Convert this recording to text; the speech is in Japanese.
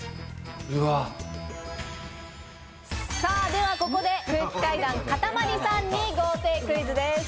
ではここで空気階段・かたまりさんに豪邸クイズです。